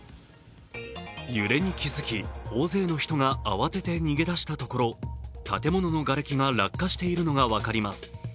揺れに気付き、大勢の人が慌てて逃げ出したところ建物のがれきが落下しているのが分かります。